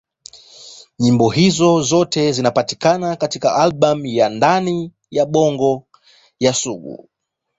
Nyimbo hizo zote zinapatikana katika albamu ya Ndani ya Bongo ya Sugu.